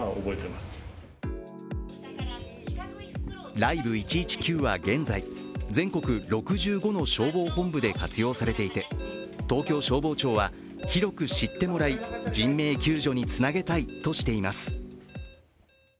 Ｌｉｖｅ１１９は現在、全国６５の消防本部で活用されていて、東京消防庁は広く知ってもらい、人命救助につなげたいとしています。